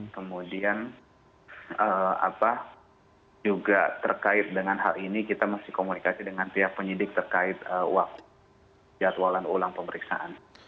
kemudian juga terkait dengan hal ini kita masih komunikasi dengan pihak penyidik terkait waktu jadwalan ulang pemeriksaan